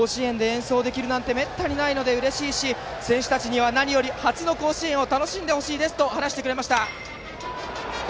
甲子園で演奏できるなんてめったにないのでうれしいし選手たちには何より初の甲子園を楽しんでほしいと話してくれました。